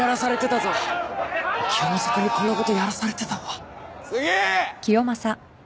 キヨマサ君にこんなことやらされてたわ。